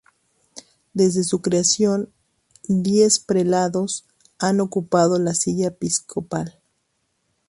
Desde su creación diez prelados han ocupado la silla episcopal.